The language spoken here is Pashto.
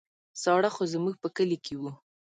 ساړه خو زموږ په کلي کې وو.